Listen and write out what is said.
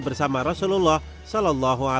bersama rasulullah saw